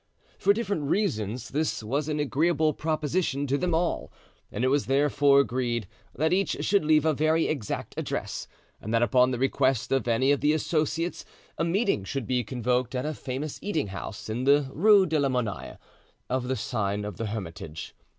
For different reasons this was an agreeable proposition to them all, and it was therefore agreed that each should leave a very exact address and that upon the request of any of the associates a meeting should be convoked at a famous eating house in the Rue de la Monnaie, of the sign of the Hermitage.